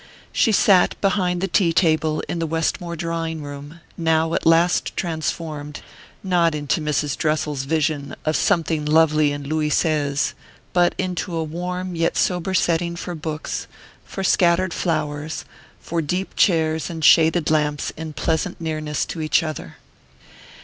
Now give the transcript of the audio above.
She sat behind the tea table in the Westmore drawing room, now at last transformed, not into Mrs. Dressel's vision of "something lovely in Louis Seize," but into a warm yet sober setting for books, for scattered flowers, for deep chairs and shaded lamps in pleasant nearness to each other.